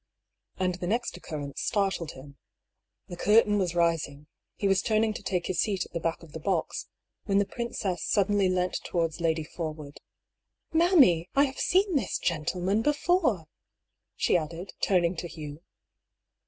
And the next occurrence startled him. The curtain was rising ; he was turning to take his seat at the back of the box, when the princess suddenly leant towards Lady Forwood : "Mammy, I have seen this — ^gentleman — before!" she said. " Where?" she added, turning to Hugh.